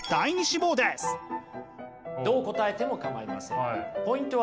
どう答えても構いません。